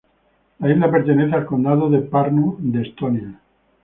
La isla pertenece al Condado de Pärnu de Estonia.